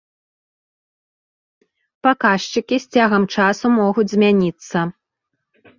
Паказчыкі з цягам часу могуць змяніцца.